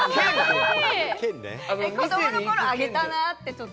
子供の頃あげたなぁって。